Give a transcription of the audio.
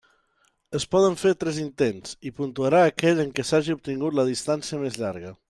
Es poden fer tres intents, i puntuarà aquell en què s'hagi obtingut la distància més llarga.